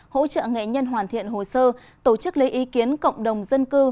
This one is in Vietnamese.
hỗ trợ nghệ nhân hoàn thiện hồ sơ tổ chức lấy ý kiến cộng đồng dân cư